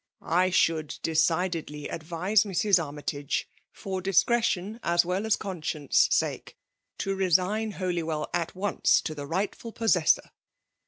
I should decidedly advise Mrs. Armytage, for discretion^ as well as con science sake» to resign Holywell at once to the rightful possessor."